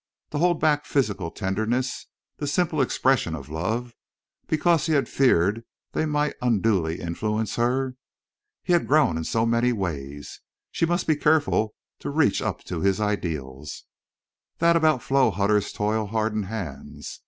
To hold back physical tenderness, the simple expressions of love, because he had feared they might unduly influence her! He had grown in many ways. She must be careful to reach up to his ideals. That about Flo Hutter's toil hardened hands!